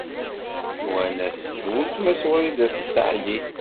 Nwan-as d uletma Wrida Tasaḥlit.